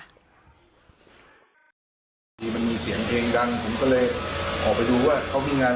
ยังมีเสียงเพลงกลางผมก็เลยออกไปดูว่าเขามีงาน